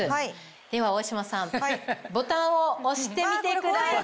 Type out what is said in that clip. では大島さんボタンを押してみてください。